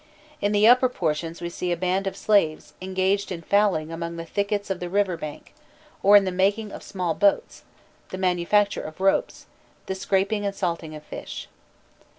In the upper portions we see a band of slaves engaged in fowling among the thickets of the river bank, or in the making of small boats, the manufacture of ropes, the scraping and salting of fish.